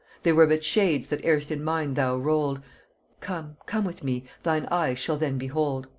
They were but shades that erst in mind thou rolled, Come, come with me, thine eyes shall then behold."